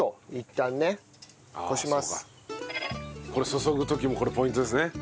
注ぐ時もこれポイントですね。